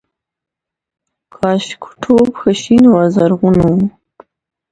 کاشکوټ ښه شین و زرغون و